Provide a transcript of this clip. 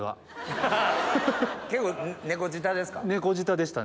結構猫舌ですか？